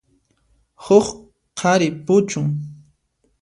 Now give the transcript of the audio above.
Huk qhari puchun.